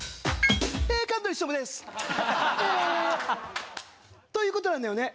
えということなんだよね。